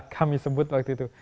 kami sebut waktu itu